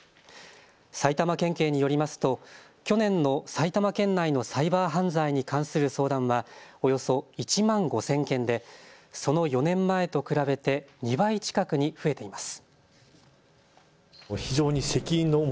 埼玉県警によりますと去年の埼玉県内のサイバー犯罪に関する相談はおよそ１万５０００件でその４年前と比べて２倍近くに増えています。